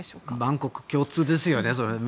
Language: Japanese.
万国共通ですよね。